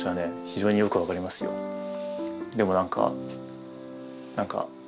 でも何か何か。